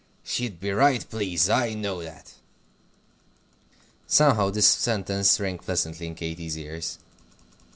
She'd be right pleased; I know that." Somehow, this sentence rang pleasantly in Katy's ears.